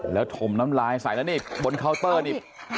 ค่ะกระทรวมน้ำรายใส่มันบนเคาเตอร์นี่